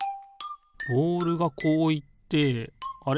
ボールがこういってあれ？